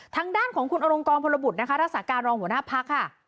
ทางด้านของคุณอลงกรพลบุตรนะคะรักษาการรองหัวหน้าพักค่ะ